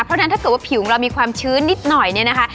เพราะฉะนั้นถ้าเกิดว่าผิวของเรามีความชื้นนิดหน่อยเนี่ยนะคะ